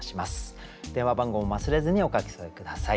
電話番号も忘れずにお書き添え下さい。